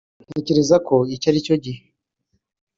ntekereza ko iki ari cyo gihe